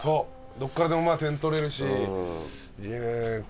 どっからでも点取れるしなかなか。